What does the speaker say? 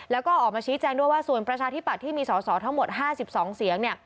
แล้วก็ออกมาชี้แจงด้วยว่าส่วนประชาธิบัตย์ที่มีสอสอทั้งหมด๕๒เสียง